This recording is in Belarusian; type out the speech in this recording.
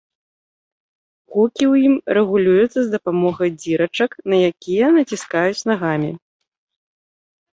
Гукі ў ім рэгулююцца з дапамогай дзірачак, на якія націскаюць нагамі.